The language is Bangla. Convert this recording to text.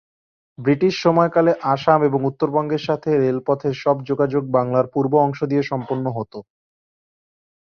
ব্রিটিশ সময়কালে আসাম এবং উত্তরবঙ্গের সাথে রেলপথের সব যোগাযোগ বাংলার পূর্ব অংশ দিয়ে সম্পন্ন হতো।